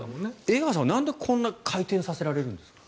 江川さんはなんでこんなに回転させられるんですか？